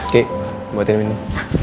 ki buatin minum